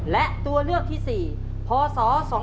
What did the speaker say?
และตัวเลือกที่๔พศ๒๕๖